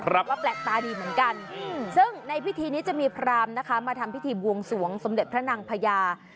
ว่าแปลกตาดีเหมือนกันซึ่งในพิธีนี้จะมีพรามนะคะมาทำพิธีบวงสวงสมเด็จพระนางพญา